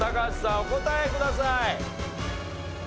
お答えください。